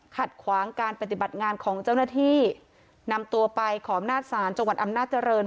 ขัดขวางการปฏิบัติงานของเจ้าหน้าที่นำตัวไปขออำนาจศาลจังหวัดอำนาจริง